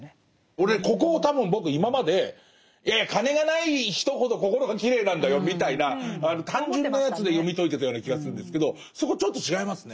俺ここ多分僕今までいやいや金がない人ほど心がきれいなんだよみたいな単純なやつで読み解いてたような気がするんですけどそこちょっと違いますね。